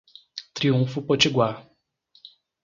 Triunfo Potiguar